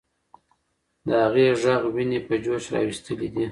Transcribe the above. د هغې ږغ ويني په جوش راوستلې دي.